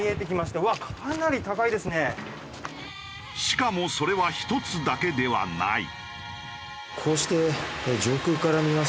しかもそれは１つだけではない。